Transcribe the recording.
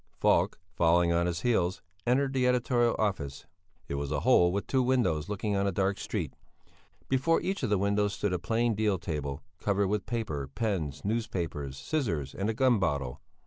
Falk, following on his heels, entered the editorial office. It was a hole with two windows looking on a dark street; before each of the windows stood a plain deal table, covered with paper, pens, newspapers, scissors and a gum bottle.